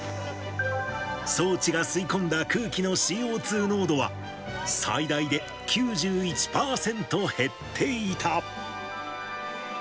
装置が吸い込んだ空気のＣＯ２濃度は、最大で９１％減っていた。